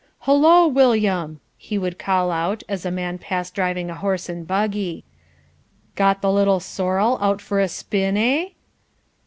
"Hullo, William!" he would call out as a man passed driving a horse and buggy, "got the little sorrel out for a spin, eh?"